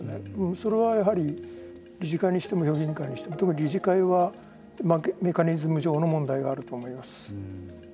それはやはり理事会にしても評議員会にしても特に理事会はメカニズム上の問題があると思います。